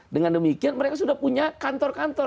dengan demikian mereka sudah punya kantor kantor